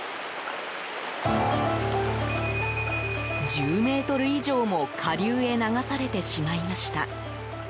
１０ｍ以上も下流へ流されてしまいました。